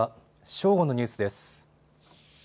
正午のニュースです。